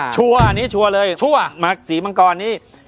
ชัวร์นี่ชัวร์เลยสีมังกรนี้